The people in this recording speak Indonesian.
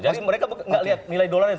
jadi mereka nggak lihat nilai dolar ini